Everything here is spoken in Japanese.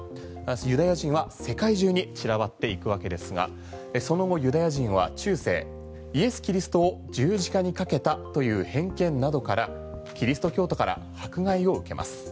ユダヤ人は世界中に散らばっていくわけですがその後ユダヤ人は中世、イエス・キリストを十字架にかけたという偏見などからキリスト教徒から迫害を受けます。